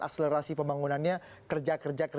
akselerasi pembangunannya kerja kerja